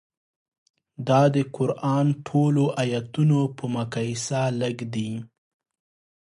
دا د قران ټولو ایتونو په مقایسه لږ دي.